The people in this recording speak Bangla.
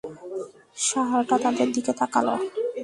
ষাড়টা তাদের দিকে তাকালো।